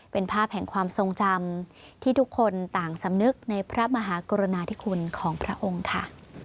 เป็นภาพแห่งความทรงจำที่ทุกคนต่างสำนึกในพระมหากรุณาธิคุณของพระองค์ค่ะ